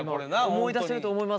思い出せると思います